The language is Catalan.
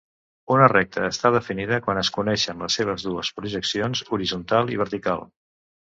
Una recta està definida quan es coneixen les seves dues projeccions, horitzontal i vertical.